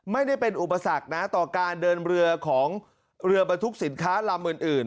ไม่ได้เป็นอุปสรรคนะต่อการเดินเรือของเรือบรรทุกสินค้าลำอื่น